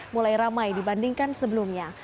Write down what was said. mulai ramai dibandingkan sebelumnya